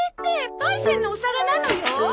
パイセンのお皿なのよ！